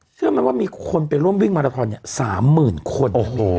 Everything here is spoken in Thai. เชื่อมันว่ามีคนไปร่วมวิ่งมาลาทนสามหมื่นคน